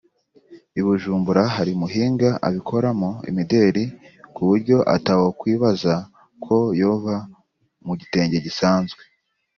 i Bujumbura hari umuhinga abikoramo imideli ku buryo atawokwibaza ko yova mu gitenge gisanzwe